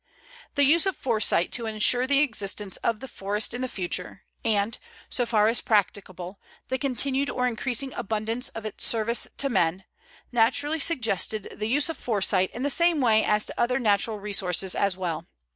The use of foresight to insure the existence of the forest in the future, and, so far as practicable, the continued or increasing abundance of its service to men, naturally suggested the use of foresight in the same way as to other natural resources as well.